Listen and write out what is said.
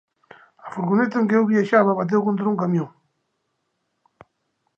A furgoneta en que viaxaban bateu contra un camión.